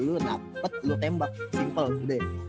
lu dapet lu tembak simple gitu ya